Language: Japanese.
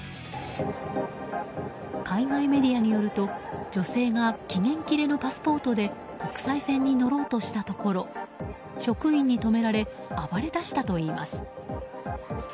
海外メディアによると女性が期限切れのパスポートで国際線に乗ろうとしたところ職員に止められ暴れだしたといいます。